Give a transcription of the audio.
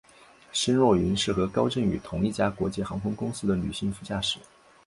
申若云是和高振宇同一家国际航空公司的女性副驾驶。